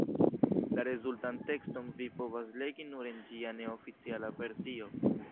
La rezultan tekston vi povas legi nur en ĝia neoficiala versio.